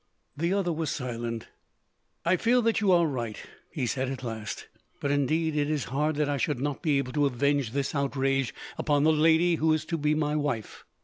The other was silent. "I feel that you are right," he said, at last, "but, indeed, it is hard that I should not be able to avenge this outrage upon the lady who is to be my wife.